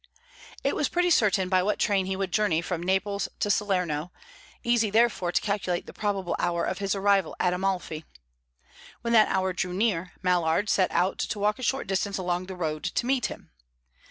It was pretty certain by what train he would journey from Naples to Salerno; easy, therefore, to calculate the probable hour of his arrival at Amalfi. When that hour drew near, Mallard set out to walk a short distance along the road, to meet him.